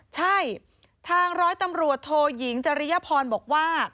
ใช่ทางร้อยตำรวจโทยิงจริยพรบอกว่า